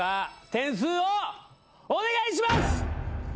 点数をお願いします。